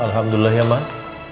alhamdulillah ya man